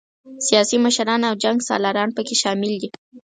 سیاسي مشران او جنګ سالاران پکې شامل دي.